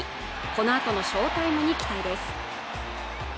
このあとの翔タイムに期待です